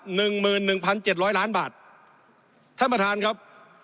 หนึ่งหมื่นหนึ่งพันเจ็ดร้อยล้านบาทท่านประธานครับ